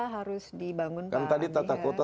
harus dibangun kan tadi tata kota